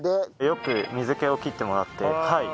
よく水気を切ってもらってはい。